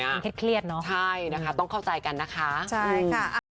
มันเครียดเนอะใช่นะคะต้องเข้าใจกันนะคะใช่ค่ะ